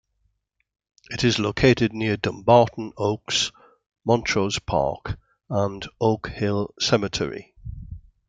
It is located near Dumbarton Oaks, Montrose Park, and Oak Hill Cemetery.